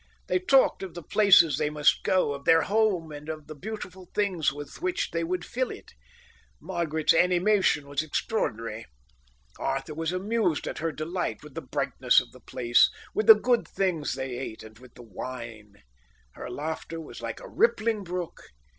They talked of the places they must go to, of their home and of the beautiful things with which they would fill it. Margaret's animation was extraordinary. Arthur was amused at her delight with the brightness of the place, with the good things they ate, and with the wine. Her laughter was like a rippling brook.